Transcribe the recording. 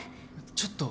ちょっと。